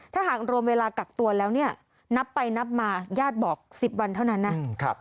ถ้าหากรวมเวลากักตัวแล้วเนี่ยนับไปนับมาญาติบอก๑๐วันเท่านั้นนะ